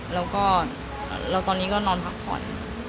แล้วก็ตอนนี้ก็นอนพักผ่อน